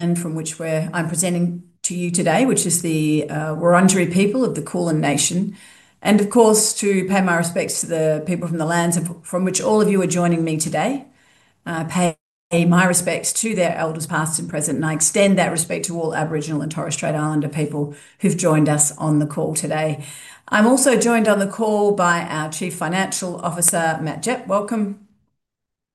I'm presenting to you today from the Wurundjeri people of the Kulin Nation. Of course, I pay my respects to the people from the lands from which all of you are joining me today. I pay my respects to their elders past and present, and I extend that respect to all Aboriginal and Torres Strait Islander people who've joined us on the call today. I'm also joined on the call by our Chief Financial Officer, Matt Gepp. Welcome.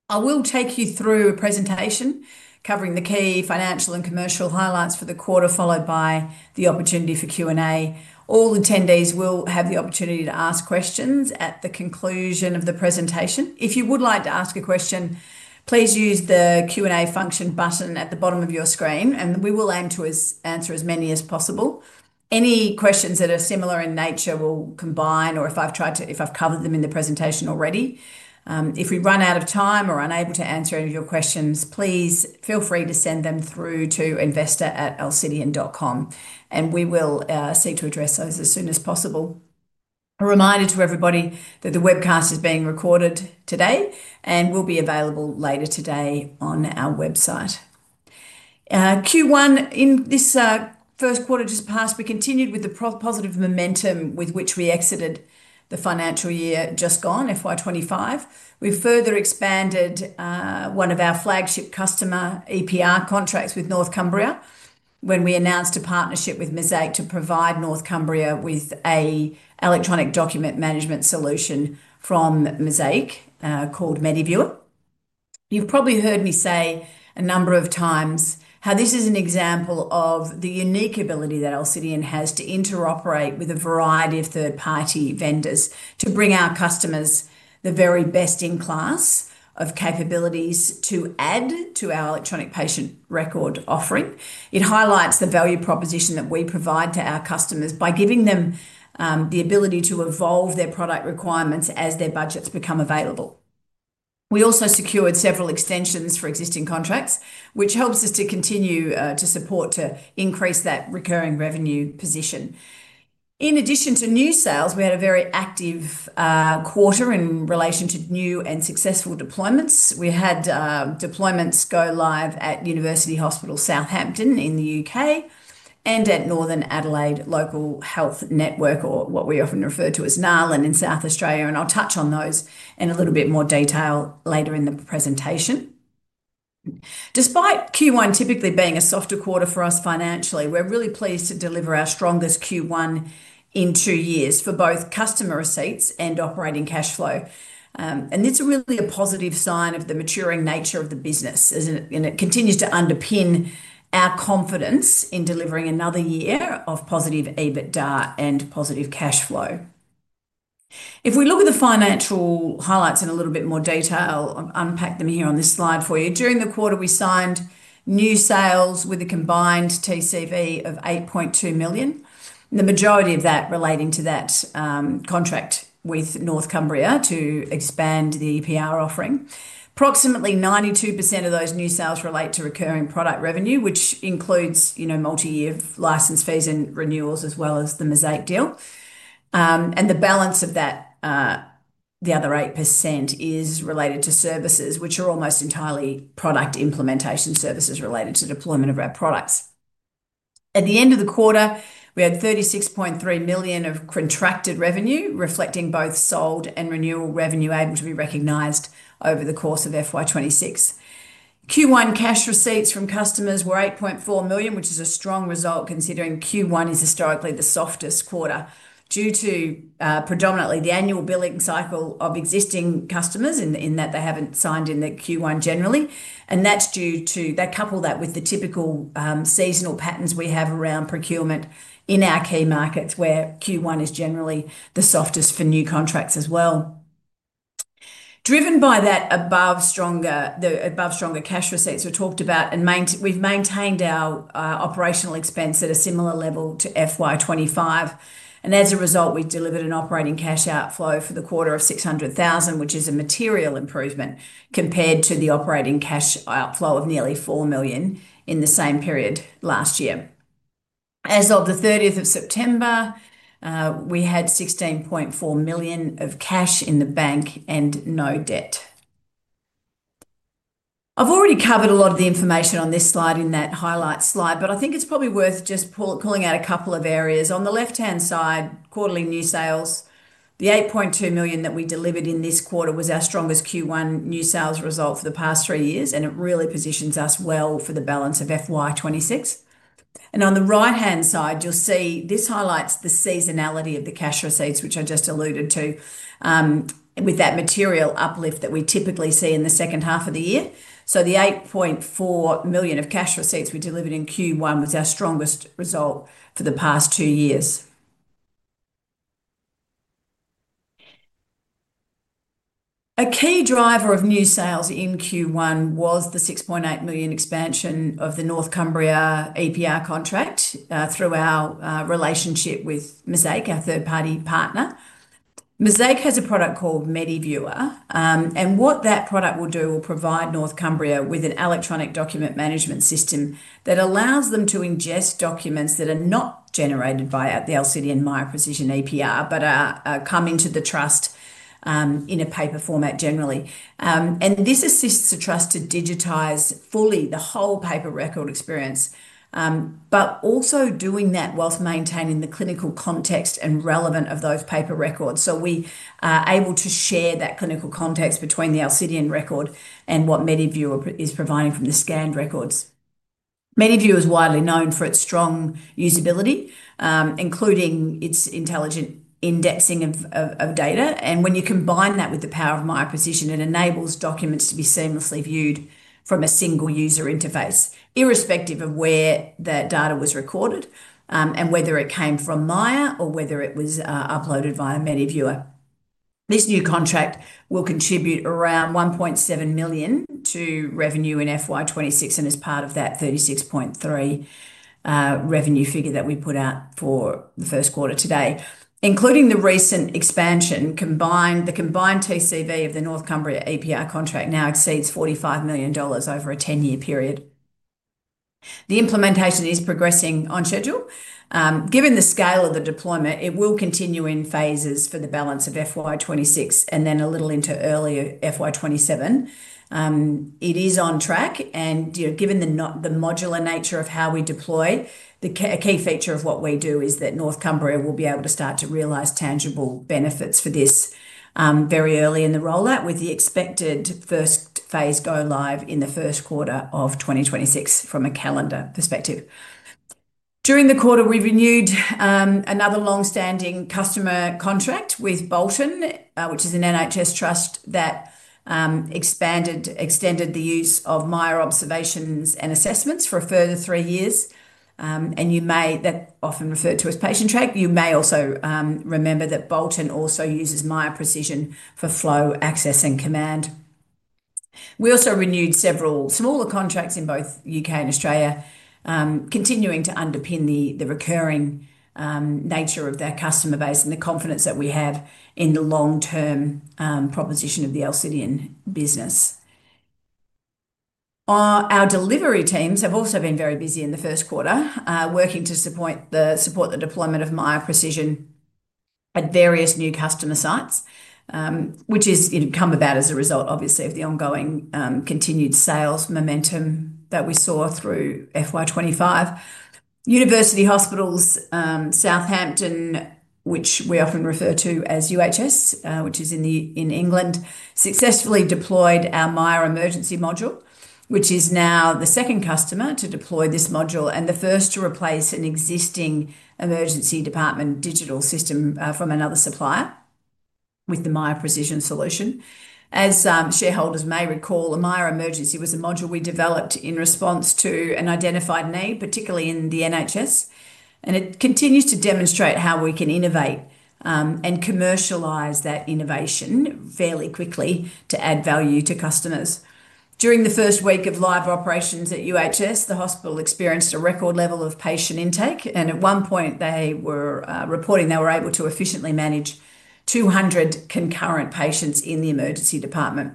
I will take you through a presentation covering the key financial and commercial highlights for the quarter, followed by the opportunity for Q&A. All attendees will have the opportunity to ask questions at the conclusion of the presentation. If you would like to ask a question, please use the Q&A function button at the bottom of your screen, and we will aim to answer as many as possible. Any questions that are similar in nature we'll combine, or if I've covered them in the presentation already. If we run out of time or are unable to answer any of your questions, please feel free to send them through to investor@alcidion.com, and we will seek to address those as soon as possible. A reminder to everybody that the webcast is being recorded today and will be available later today on our website. Q1, in this first quarter just passed, we continued with the positive momentum with which we exited the financial year just gone, FY 2025. We further expanded one of our flagship customer EPR contracts with North Cumbria, when we announced a partnership with Mosaic to provide North Cumbria with an electronic document management solution from Mosaic called ManyViewer. You've probably heard me say a number of times how this is an example of the unique ability that Alcidion has to interoperate with a variety of third-party vendors to bring our customers the very best in class of capabilities to add to our electronic patient record offering. It highlights the value proposition that we provide to our customers by giving them the ability to evolve their product requirements as their budgets become available. We also secured several extensions for existing contracts, which helps us to continue to support to increase that recurring revenue position. In addition to new sales, we had a very active quarter in relation to new and successful deployments. We had deployments go live at University Hospital Southampton NHS Foundation Trust in the U.K. and at Northern Adelaide Local Health Network, or what we often refer to as NALAN in South Australia. I'll touch on those in a little bit more detail later in the presentation. Despite Q1 typically being a softer quarter for us financially, we're really pleased to deliver our strongest Q1 in two years for both customer receipts and operating cash flow. It's really a positive sign of the maturing nature of the business, and it continues to underpin our confidence in delivering another year of positive EBITDA and positive cash flow. If we look at the financial highlights in a little bit more detail, I'll unpack them here on this slide for you. During the quarter, we signed new sales with a combined TCV of 8.2 million, the majority of that relating to that contract with North Cumbria Integrated Care NHS Foundation Trust to expand the EPR offering. Approximately 92% of those new sales relate to recurring product revenue, which includes, you know, multi-year license fees and renewals as well as the Mosaic deal. The balance of that, the other 8%, is related to services, which are almost entirely product implementation services related to deployment of our products. At the end of the quarter, we had 36.3 million of contracted revenue reflecting both sold and renewal revenue able to be recognized over the course of FY 2026. Q1 cash receipts from customers were 8.4 million, which is a strong result considering Q1 is historically the softest quarter due to predominantly the annual billing cycle of existing customers in that they haven't signed in the Q1 generally. That's due to, they couple that with the typical seasonal patterns we have around procurement in our key markets where Q1 is generally the softest for new contracts as well. Driven by that above stronger cash receipts we talked about, we've maintained our operational expense at a similar level to FY 2025. As a result, we delivered an operating cash outflow for the quarter of 600,000, which is a material improvement compared to the operating cash outflow of nearly 4 million in the same period last year. As of the 30th of September, we had 16.4 million of cash in the bank and no debt. I've already covered a lot of the information on this slide in that highlight slide, but I think it's probably worth just pulling out a couple of areas. On the left-hand side, quarterly new sales, the 8.2 million that we delivered in this quarter was our strongest Q1 new sales result for the past three years, and it really positions us well for the balance of FY 2026. On the right-hand side, you'll see this highlights the seasonality of the cash receipts, which I just alluded to, with that material uplift that we typically see in the second half of the year. The 8.4 million of cash receipts we delivered in Q1 was our strongest result for the past two years. A key driver of new sales in Q1 was the 6.8 million expansion of the North Cumbria electronic patient record (EPR) contract through our relationship with Mosaic, our third-party partner. Mosaic has a product called ManyViewer, and what that product will do, it will provide North Cumbria with an electronic document management system that allows them to ingest documents that are not generated via the Alcidion Miya Precision EPR, but are coming to the trust in a paper format generally. This assists the trust to digitize fully the whole paper record experience, but also doing that while maintaining the clinical context and relevance of those paper records. We are able to share that clinical context between the Alcidion record and what ManyViewer is providing from the scanned records. ManyViewer is widely known for its strong usability, including its intelligent indexing of data. When you combine that with the power of Miya Precision, it enables documents to be seamlessly viewed from a single user interface, irrespective of where that data was recorded and whether it came from Miya or whether it was uploaded via ManyViewer. This new contract will contribute around 1.7 million to revenue in FY 2026, and as part of that 36.3 million revenue figure that we put out for the first quarter today, including the recent expansion, the combined TCV of the North Cumbria EPR contract now exceeds 45 million dollars over a 10-year period. The implementation is progressing on schedule. Given the scale of the deployment, it will continue in phases for the balance of FY 2026 and then a little into early FY 2027. It is on track, and given the modular nature of how we deploy, a key feature of what we do is that North Cumbria will be able to start to realize tangible benefits for this very early in the rollout, with the expected first phase go live in the first quarter of 2026 from a calendar perspective. During the quarter, we renewed another longstanding customer contract with Bolton, which is an NHS trust that expanded the use of Miya Observations and assessments for a further three years. You may, that's often referred to as Patientrack, you may also remember that Bolton also uses Miya Precision for flow, access, and command. We also renewed several smaller contracts in both U.K. and Australia, continuing to underpin the recurring nature of their customer base and the confidence that we have in the long-term proposition of the Alcidion business. Our delivery teams have also been very busy in the first quarter, working to support the deployment of Miya Precision at various new customer sites, which has come about as a result, obviously, of the ongoing continued sales momentum that we saw through FY 2025. University Hospital Southampton, which we often refer to as UHS, which is in England, successfully deployed our Miya Emergency module, which is now the second customer to deploy this module and the first to replace an existing emergency department digital system from another supplier with the Miya Precision solution. As shareholders may recall, Miya Emergency was a module we developed in response to an identified need, particularly in the NHS, and it continues to demonstrate how we can innovate and commercialize that innovation fairly quickly to add value to customers. During the first week of live operations at UHS, the hospital experienced a record level of patient intake, and at one point, they were reporting they were able to efficiently manage 200 concurrent patients in the emergency department.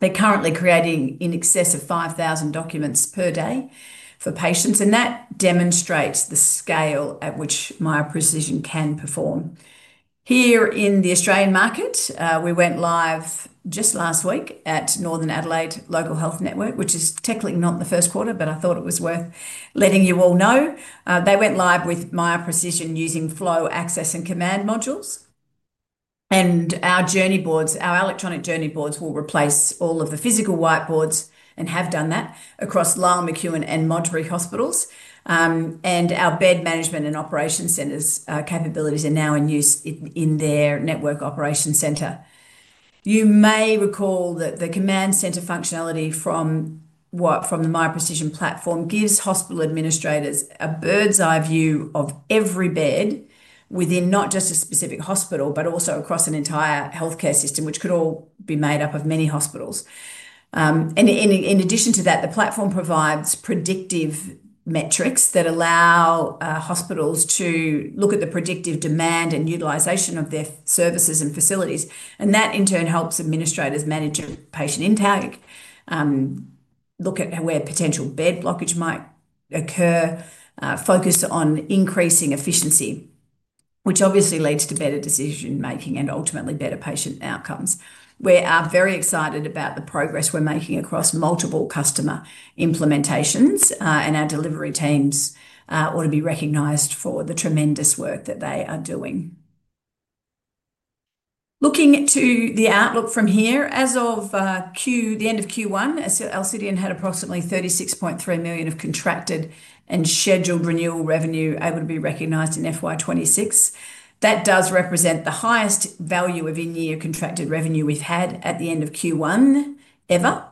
They're currently creating in excess of 5,000 documents per day for patients, and that demonstrates the scale at which Miya Precision can perform. Here in the Australian market, we went live just last week at Northern Adelaide Local Health Network, which is technically not the first quarter, but I thought it was worth letting you all know. They went live with Miya Precision using flow, access, and command modules. Our journey boards, our electronic journey boards, will replace all of the physical whiteboards and have done that across Lyell McEwin and Modbury Hospitals. Our bed management and operation centers capabilities are now in use in their network operation center. You may recall that the command centre functionality from the Miya Precision platform gives hospital administrators a bird's eye view of every bed within not just a specific hospital, but also across an entire healthcare system, which could all be made up of many hospitals. In addition to that, the platform provides predictive metrics that allow hospitals to look at the predictive demand and utilization of their services and facilities. That in turn helps administrators manage patient intake, look at where potential bed blockage might occur, focus on increasing efficiency, which obviously leads to better decision making and ultimately better patient outcomes. We are very excited about the progress we're making across multiple customer implementations, and our delivery teams ought to be recognized for the tremendous work that they are doing. Looking to the outlook from here, as of the end of Q1, Alcidion had approximately 36.3 million of contracted and scheduled renewal revenue able to be recognized in FY 2026. That does represent the highest value of in-year contracted revenue we've had at the end of Q1 ever.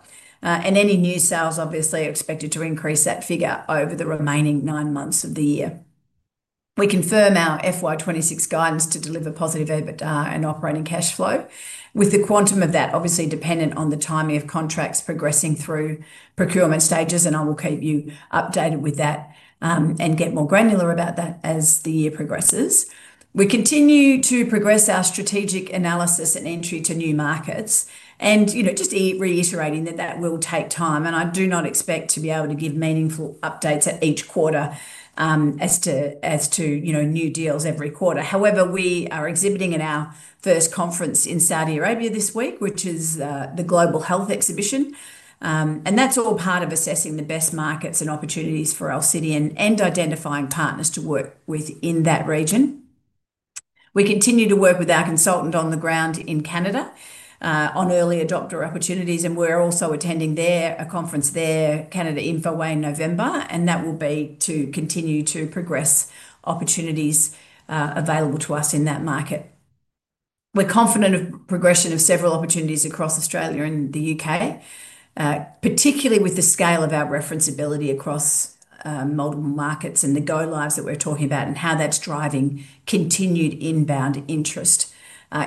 Any new sales obviously are expected to increase that figure over the remaining nine months of the year. We confirm our FY 2026 guidance to deliver positive EBITDA and operating cash flow, with the quantum of that obviously dependent on the timing of contracts progressing through procurement stages, and I will keep you updated with that and get more granular about that as the year progresses. We continue to progress our strategic analysis and entry to new markets, and just reiterating that that will take time, and I do not expect to be able to give meaningful updates at each quarter as to new deals every quarter. However, we are exhibiting in our first conference in Saudi Arabia this week, which is the Global Health Exhibition. That's all part of assessing the best markets and opportunities for Alcidion and identifying partners to work with in that region. We continue to work with our consultant on the ground in Canada on early adopter opportunities, and we're also attending a conference there, Canada InfoWay in November, and that will be to continue to progress opportunities available to us in that market. We're confident of the progression of several opportunities across Australia and the U.K., particularly with the scale of our referenceability across multiple markets and the go-lives that we're talking about and how that's driving continued inbound interest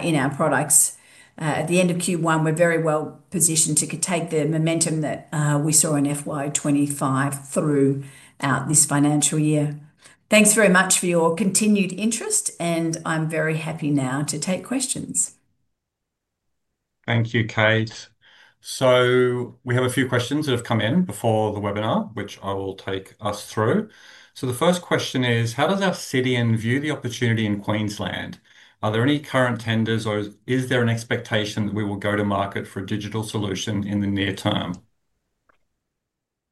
in our products. At the end of Q1, we're very well positioned to take the momentum that we saw in FY 2025 through this financial year. Thanks very much for your continued interest, and I'm very happy now to take questions. Thank you, Kate. We have a few questions that have come in before the webinar, which I will take us through. The first question is, how does Alcidion view the opportunity in Queensland? Are there any current tenders, or is there an expectation that we will go to market for a digital solution in the near term?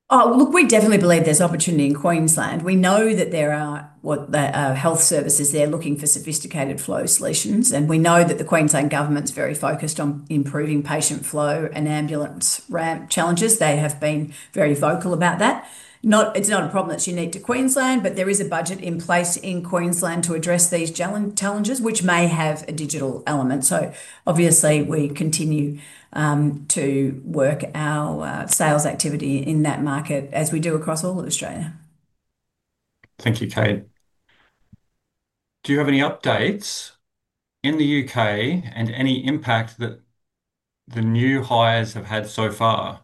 Look, we definitely believe there's opportunity in Queensland. We know that there are health services there looking for sophisticated flow solutions, and we know that the Queensland government's very focused on improving patient flow and ambulance ramp challenges. They have been very vocal about that. It's not a problem that's unique to Queensland, but there is a budget in place in Queensland to address these challenges, which may have a digital element. Obviously, we continue to work our sales activity in that market as we do across all of Australia. Thank you, Kate. Do you have any updates in the U.K., and any impact that the new hires have had so far?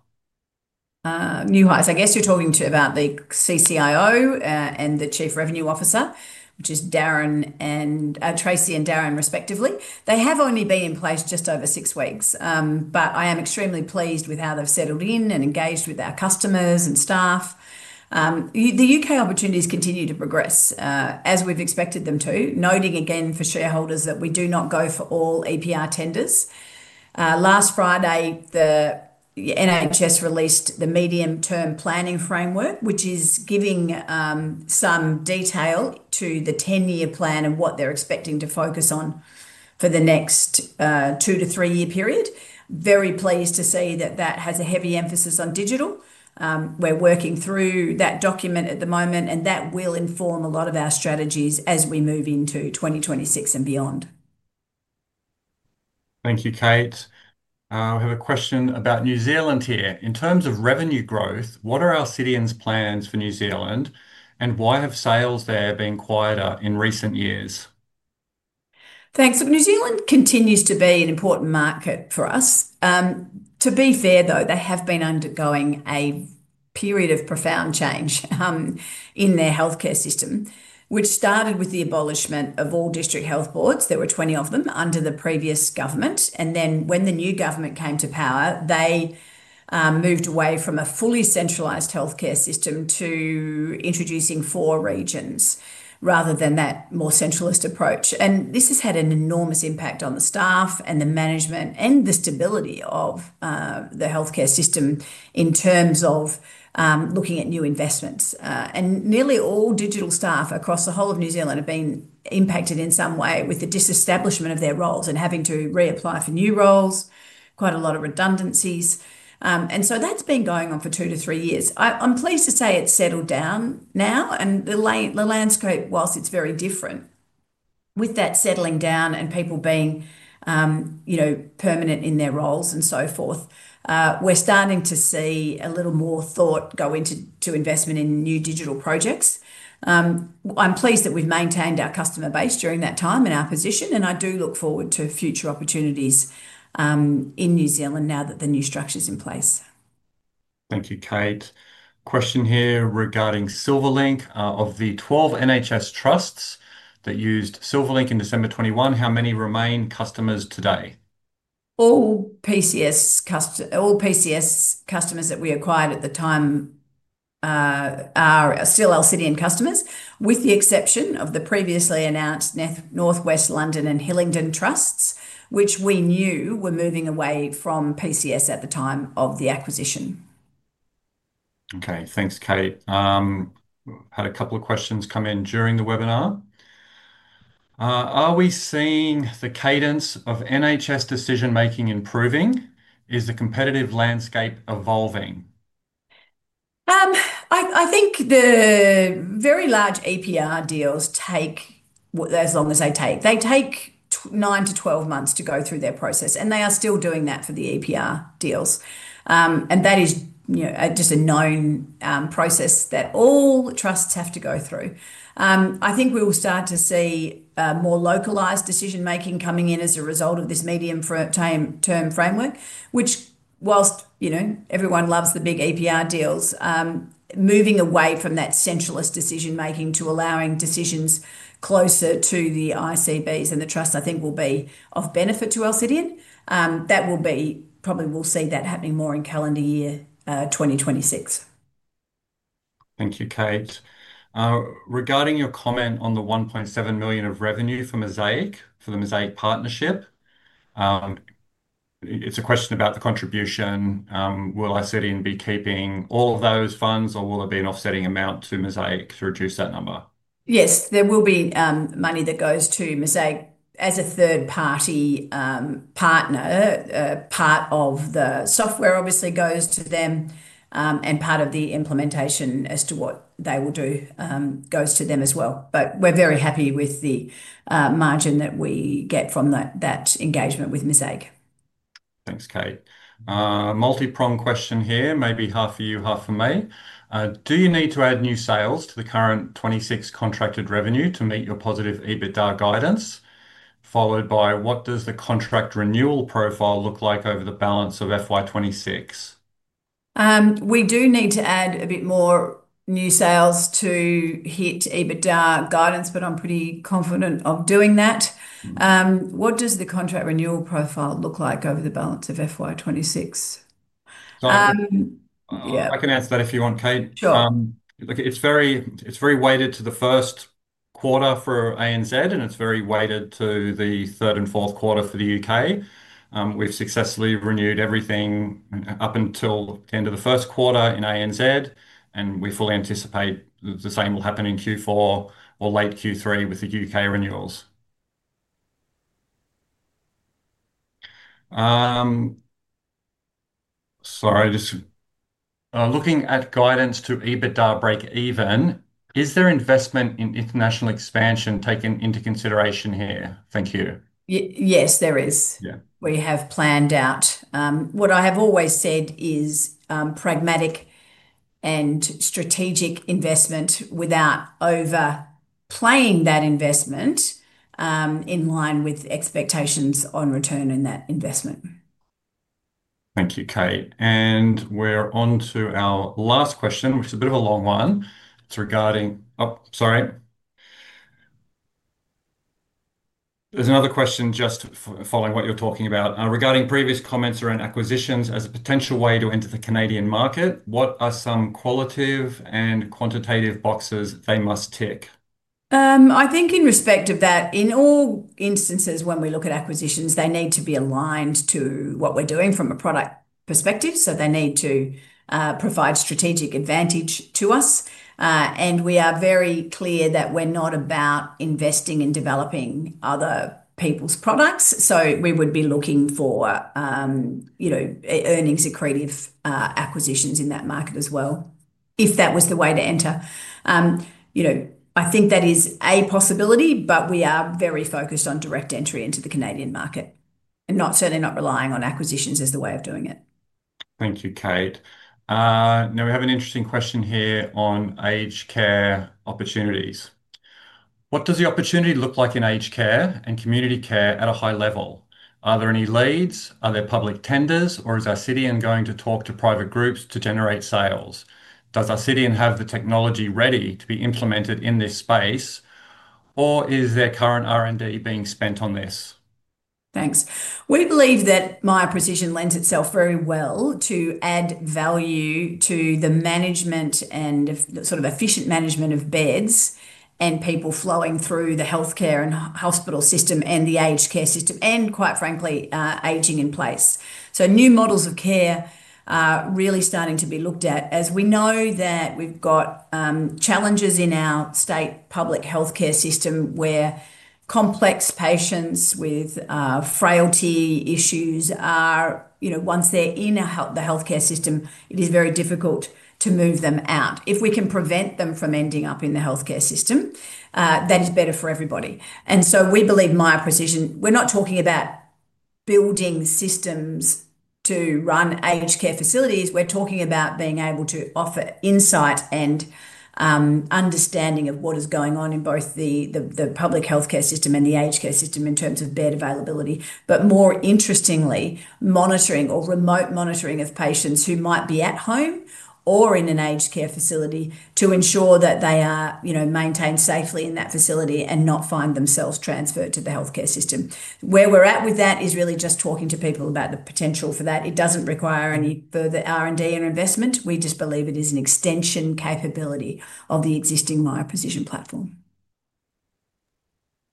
New hires, I guess you're talking about the CCIO and the Chief Revenue Officer, which is Darren and Tracy and Darren, respectively. They have only been in place just over six weeks, but I am extremely pleased with how they've settled in and engaged with our customers and staff. The U.K. opportunities continue to progress as we've expected them to, noting again for shareholders that we do not go for all EPR tenders. Last Friday, the NHS released the medium-term planning framework, which is giving some detail to the 10-year plan and what they're expecting to focus on for the next two to three-year period. Very pleased to see that that has a heavy emphasis on digital. We're working through that document at the moment, and that will inform a lot of our strategies as we move into 2026 and beyond. Thank you, Kate. We have a question about New Zealand here. In terms of revenue growth, what are Alcidion's plans for New Zealand, and why have sales there been quieter in recent years? Thanks. New Zealand continues to be an important market for us. To be fair, though, they have been undergoing a period of profound change in their healthcare system, which started with the abolishment of all district health boards. There were 20 of them under the previous government. When the new government came to power, they moved away from a fully centralized healthcare system to introducing four regions rather than that more centralist approach. This has had an enormous impact on the staff and the management and the stability of the healthcare system in terms of looking at new investments. Nearly all digital staff across the whole of New Zealand have been impacted in some way with the disestablishment of their roles and having to reapply for new roles, quite a lot of redundancies. That's been going on for two to three years. I'm pleased to say it's settled down now, and the landscape, whilst it's very different, with that settling down and people being, you know, permanent in their roles and so forth, we're starting to see a little more thought go into investment in new digital projects. I'm pleased that we've maintained our customer base during that time in our position, and I do look forward to future opportunities in New Zealand now that the new structure's in place. Thank you, Kate. Question here regarding Silverlink. Of the 12 NHS trusts that used Silverlink in December 2021, how many remain customers today? All PCS customers that we acquired at the time are still Alcidion customers, with the exception of the previously announced Northwest London and Hillingdon trusts, which we knew were moving away from PCS at the time of the acquisition. Okay, thanks, Kate. We've had a couple of questions come in during the webinar. Are we seeing the cadence of NHS decision making improving? Is the competitive landscape evolving? I think the very large EPR deals take as long as they take. They take nine to 12 months to go through their process, and they are still doing that for the EPR deals. That is just a known process that all trusts have to go through. I think we will start to see more localized decision making coming in as a result of this medium-term framework, which, whilst everyone loves the big EPR deals, moving away from that centralist decision making to allowing decisions closer to the ICBs and the trusts, I think, will be of benefit to Alcidion. That will be, probably we'll see that happening more in calendar year 2026. Thank you, Kate. Regarding your comment on the 1.7 million of revenue for Mosaic for the Mosaic partnership, it's a question about the contribution. Will Alcidion be keeping all of those funds, or will there be an offsetting amount to Mosaic to reduce that number? Yes, there will be money that goes to Mosaic as a third-party partner. Part of the software obviously goes to them, and part of the implementation as to what they will do goes to them as well. We are very happy with the margin that we get from that engagement with Mosaic. Thanks, Kate. Multi-pronged question here, maybe half for you, half for me. Do you need to add new sales to the current 26 million contracted revenue to meet your positive EBITDA guidance? Followed by, what does the contract renewal profile look like over the balance of FY 2026? We do need to add a bit more new sales to hit EBITDA guidance, but I'm pretty confident of doing that. What does the contract renewal profile look like over the balance of FY 2026? I can answer that if you want, Kate. Sure. Look, it's very weighted to the first quarter for ANZ, and it's very weighted to the third and fourth quarter for the U.K.. We've successfully renewed everything up until the end of the first quarter in ANZ, and we fully anticipate the same will happen in Q4 or late Q3 with the U.K. renewals. Sorry, just looking at guidance to EBITDA break even, is there investment in international expansion taken into consideration here? Thank you. Yes, there is. We have planned out what I have always said is pragmatic and strategic investment without overplaying that investment in line with expectations on return in that investment. Thank you, Kate. We're on to our last question, which is a bit of a long one. It's regarding, oh, sorry, there's another question just following what you're talking about. Regarding previous comments around acquisitions as a potential way to enter the Canadian market, what are some qualitative and quantitative boxes they must tick? I think in respect of that, in all instances, when we look at acquisitions, they need to be aligned to what we're doing from a product perspective. They need to provide strategic advantage to us. We are very clear that we're not about investing in developing other people's products. We would be looking for, you know, earnings accretive acquisitions in that market as well, if that was the way to enter. I think that is a possibility, but we are very focused on direct entry into the Canadian market and certainly not relying on acquisitions as the way of doing it. Thank you, Kate. Now we have an interesting question here on aged care opportunities. What does the opportunity look like in aged care and community care at a high level? Are there any leads? Are there public tenders, or is Alcidion going to talk to private groups to generate sales? Does Alcidion have the technology ready to be implemented in this space, or is there current R&D being spent on this? Thanks. We believe that Miya Precision lends itself very well to add value to the management and efficient management of beds and people flowing through the healthcare and hospital system and the aged care system, and, quite frankly, aging in place. New models of care are really starting to be looked at, as we know that we've got challenges in our state public healthcare system where complex patients with frailty issues are, you know, once they're in the healthcare system, it is very difficult to move them out. If we can prevent them from ending up in the healthcare system, that is better for everybody. We believe Miya Precision, we're not talking about building systems to run aged care facilities. We're talking about being able to offer insight and understanding of what is going on in both the public healthcare system and the aged care system in terms of bed availability, but more interestingly, monitoring or remote monitoring of patients who might be at home or in an aged care facility to ensure that they are, you know, maintained safely in that facility and not find themselves transferred to the healthcare system. Where we're at with that is really just talking to people about the potential for that. It doesn't require any further R&D and investment. We just believe it is an extension capability of the existing Miya Precision platform.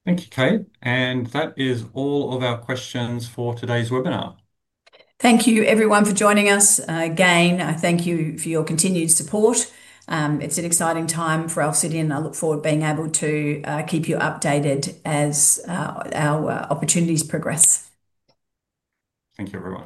Thank you, Kate. That is all of our questions for today's webinar. Thank you, everyone, for joining us. Again, I thank you for your continued support. It's an exciting time for Alcidion. I look forward to being able to keep you updated as our opportunities progress. Thank you very much.